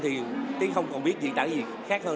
thì tiến không còn biết dĩ tả gì khác hơn